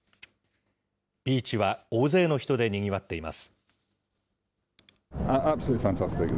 ビーチは大勢の人でにぎわっています。